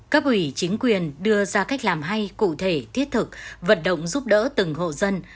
cấp ủy chính quyền đưa ra cách làm hay cụ thể thiết thực vận động giúp đỡ từng hộ dân